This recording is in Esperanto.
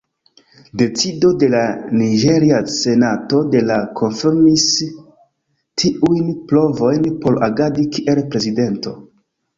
Decido de la Niĝeria Senato de la konfirmis tiujn povojn por agadi kiel Prezidento.